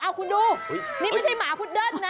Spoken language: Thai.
เอาคุณดูนี่ไม่ใช่หมาพุดเดิ้ลนะ